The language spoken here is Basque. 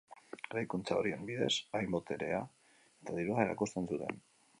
Eraikuntza horien bidez hain boterea eta dirua erakusten zuten.